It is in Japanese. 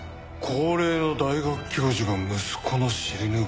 高齢の大学教授が息子の尻拭いを。